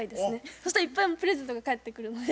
そしたらいっぱいプレゼントが返ってくるので。